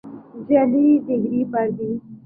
جعلی ڈگری پر بھا